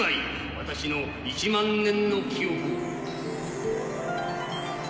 私の１万年の記憶を。